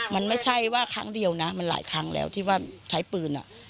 มันไม่ใช่ว่าครั้งเดียวนะมันหลายครั้งแล้วที่ว่าใช้ปืน